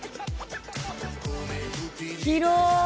広い。